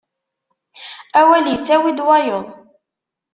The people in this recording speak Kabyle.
Awal ittawi-d wayeḍ.